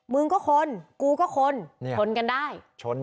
มึงก็คนกูก็คนชนกันได้